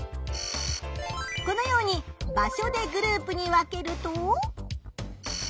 このように場所でグループに分けると。